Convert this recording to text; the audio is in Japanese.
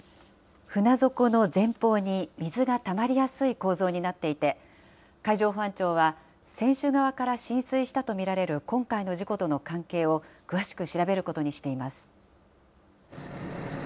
船底の前方に水がたまりやすい構造になっていて、海上保安庁は船首側から浸水したと見られる今回の事故との関係を詳しく調べることにしています。